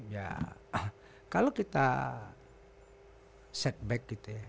ya kalau kita set back gitu ya